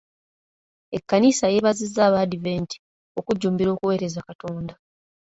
Ekkanisa yeebazizza Abaadiventi okujjumbira okuweereza Katonda.